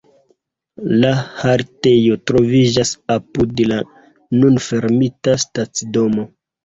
La haltejo troviĝas apud la nun fermita stacidomo.